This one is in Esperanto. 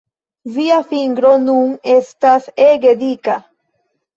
Via fingro nun estas ege dika!